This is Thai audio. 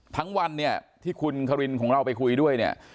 ทั้งวันที่คุณเขริงคุณเราไปคุยด้วย